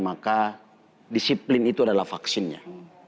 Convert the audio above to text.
maka disiplin itu adalah vaksinnya